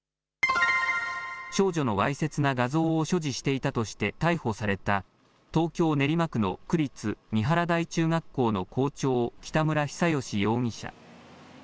少女のわいせつな画像を所持していたとして逮捕された、東京・練馬区の区立三原台中学校の校長北村比左嘉容疑者。